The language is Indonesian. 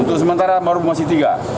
untuk sementara baru masih tiga